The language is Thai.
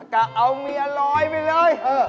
กะเอาเมียลอยไปเลย